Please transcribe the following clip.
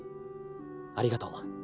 ありがとう。